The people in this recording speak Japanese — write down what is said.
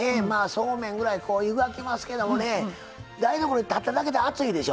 そうめんぐらい湯がきますけどもね台所に立っただけで暑いでしょ。